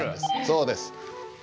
そうです。